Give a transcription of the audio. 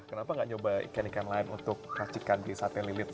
kenapa nggak nyoba ikan ikan lain untuk racikan di sate lilit